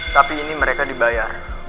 tapi ini mereka dibayar